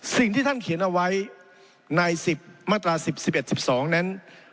สิ่งที่ท่านเขียนเอาไว้ใน๑๐มาตรา๑๑๑๑๒นั้น